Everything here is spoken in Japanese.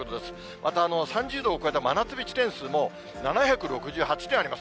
また、３０度を超えた真夏日地点数も７６８地点あります。